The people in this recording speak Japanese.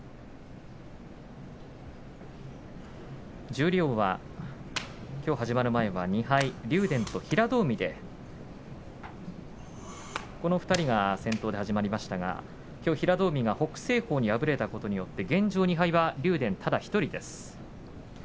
十両はきょう始まる前は２敗に竜電と平戸海この２人が先頭で始まりましたがきょう平戸海が北青鵬に敗れたことによって現状で２敗は竜電ただ１人です。